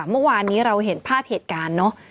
เมื่อวานนี้เราเห็นภาพเหตุการณ์เนอะ